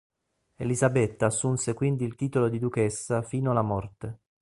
Elisabetta assunse quindi il titolo di duchessa fino alla morte.